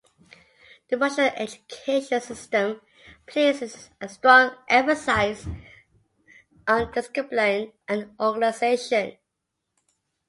The Russian education system places a strong emphasis on discipline and organization.